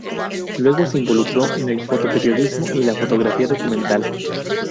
Luego se involucró en el foto periodismo y la fotografía documental.